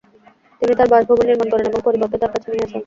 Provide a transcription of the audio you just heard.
তিনি তার বাসভবন নির্মাণ করেন এবং পরিবারকে তার কাছে নিয়ে আসেন।